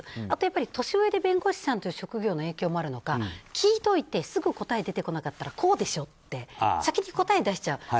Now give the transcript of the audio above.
あと年上で弁護士さんという職業の影響もあるのか聞いておいてすぐ答えが出てこなかったらこうでしょって先に答えを出しちゃう。